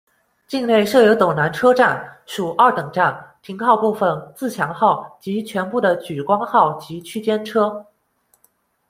境内设有斗南车站，属二等站，停靠部分自强号及全部的莒光号及区间车。